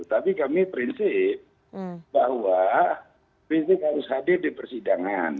tapi kami prinsip bahwa rizik harus hadir di persidangan